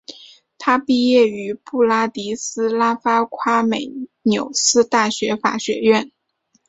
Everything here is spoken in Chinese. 他毕业于布拉迪斯拉发夸美纽斯大学法学院。